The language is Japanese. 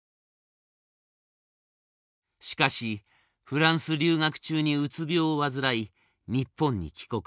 しかしフランス留学中にうつ病を患い日本に帰国。